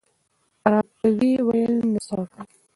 را ته وې ویل نو څه وکړم؟